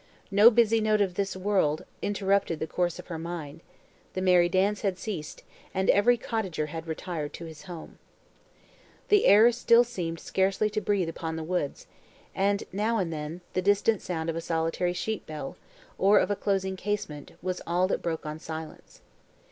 No busy note of this world interrupted the course of her mind; the merry dance had ceased, and every cottager had retired to his home. The still air seemed scarcely to breathe upon the woods, and, now and then, the distant sound of a solitary sheep bell, or of a closing casement, was all that broke on silence.